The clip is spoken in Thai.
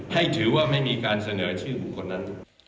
ให้ถือว่าไม่มีการเสนอชื่อบุคคลนั้น